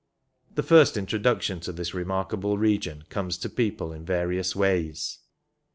The first introduction to this remarkable region comes to people in various ways.